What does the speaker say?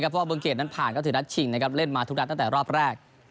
เพราะว่าเบื้องเกดนั้นผ่านก็ถือนัดชิงนะครับเล่นมาทุกนัดตั้งแต่รอบแรก